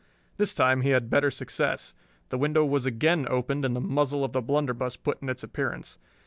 This time he had better success. The window was again opened and the muzzle of the blunderbuss put in its appearance.